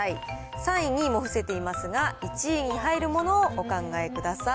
３位、２位も伏せていますが、１位に入るものをお考えください。